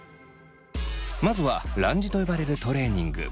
まずはランジと呼ばれるトレーニング。